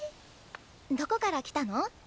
どこから来たの？